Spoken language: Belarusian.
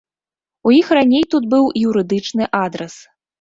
У іх раней тут быў юрыдычны адрас.